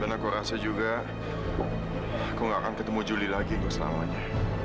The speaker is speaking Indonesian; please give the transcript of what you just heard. dan aku rasa juga aku gak akan ketemu julie lagi selamanya